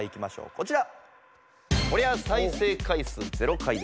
こちら。